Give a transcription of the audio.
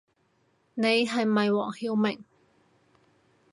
你係咪黃曉明